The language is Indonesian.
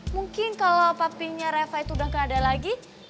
mungkin kalo papinya reva itu udah gak ada lagi